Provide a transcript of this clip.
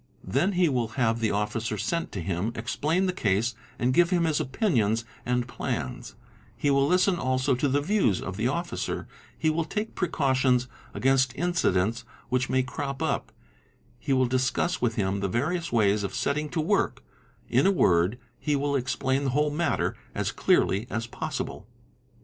Then he will have the officer sent to him, explain the case, and give him his opinions and plans; he will listen also to the views of the officer, he will take precautions against incidents which may crop up, he will discuss with him the various ways of setting to ie LAA RA A eR AP work; in a word he will explain the whole matter as clearly as possible.